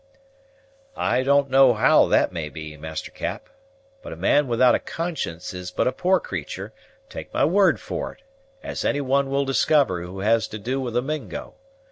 "I don't know how that may be, Master Cap; but a man without a conscience is but a poor creatur', take my word for it, as any one will discover who has to do with a Mingo.